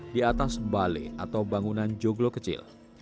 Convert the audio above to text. di atas bale atau bangunan joglo kecil